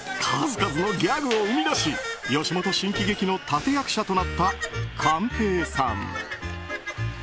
数々のギャグを生み出し吉本新喜劇の立役者となった寛平さん。